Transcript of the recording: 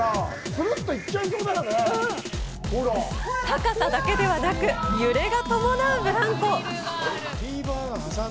高さだけでなく揺れが伴うブランコ。